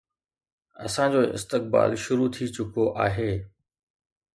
اسان جو استقبال شروع ٿي چڪو آهي